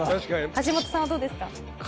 橋本さんはどうですか？